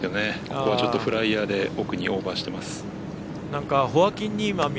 ここはちょっとフライヤーで奥にオーバーしてます。